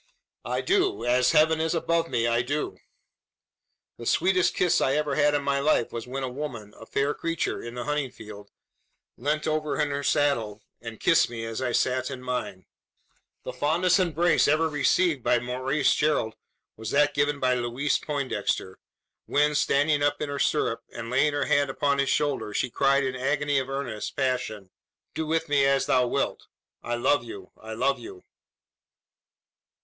"I do! As heaven is above me, I do!" The sweetest kiss I ever had in my life, was when a woman a fair creature, in the hunting field leant over in her saddle and kissed me as I sate in mine. The fondest embrace ever received by Maurice Gerald, was that given by Louise Poindexter; when, standing up in her stirrup, and laying her hand upon his shoulder, she cried in an agony of earnest passion "Do with me as thou wilt: I love you, I love you!"